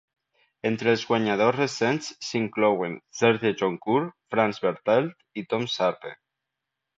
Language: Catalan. Entre els guanyadors recents s'inclouen Serge Joncour, Franz Bartelt i Tom Sharpe.